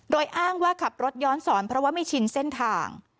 โดยอ้างว่าขับรถย้อนสอนเพราะว่าไม่ชินเส้นทาง